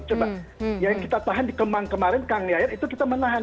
coba yang kita tahan di kemang kemarin kang yayar itu kita menahan